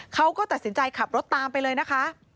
เขาก็ตัดสินใจขับรถตามไปเลยนะคะ